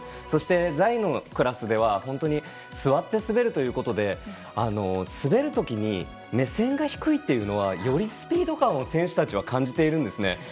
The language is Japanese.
そして、座位のクラスでは座って滑るということで滑るときに目線が低いというのはよりスピード感を選手たちは感じているんですね。